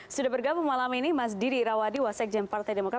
sudah bergabung malam ini mas didi rawadi wasekjen partai demokrat